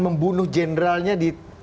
membunuh generalnya di telanjangnya